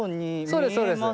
そうですそうです！